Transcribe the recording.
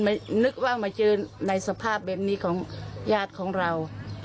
นึกว่ามาเจอในสภาพแบบนี้ของญาติของเรา